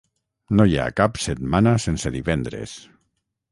No hi ha cap setmana sense divendres.